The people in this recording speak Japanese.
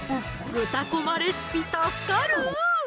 豚こまレシピ助かる！